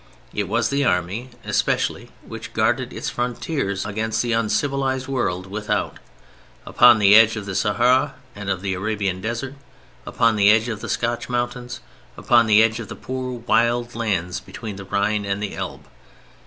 It was the Army especially which guarded its frontiers against the uncivilized world without; upon the edge of the Sahara and of the Arabian desert; upon the edge of the Scotch mountains; upon the edge of the poor, wild lands between the Rhine and Elbe.